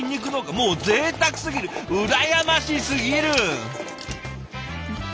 もうぜいたくすぎる！うらやましすぎる！